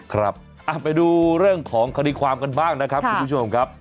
ครับไปดูเรื่องของคดีความกันบ้างนะครับคุณผู้ชมครับ